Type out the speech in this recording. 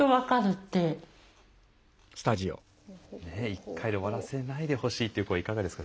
「１回で終わらせないでほしい」っていう声いかがですか？